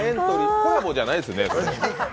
コラボじゃないですね。